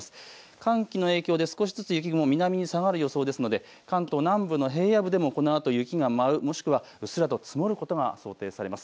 寒気の影響で少しずつ雪雲、南に下がる予想ですので関東南部の平野部でもこのあと雪が舞う、もしくはうっすらと積もることが想定されます。